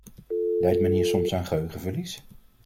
Lijdt men hier soms aan geheugenverlies?